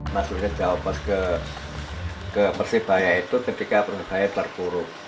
maksudnya jawabannya ke persibaya itu ketika persibaya terburuk